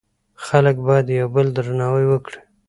خلک باید یو بل درناوی کړي.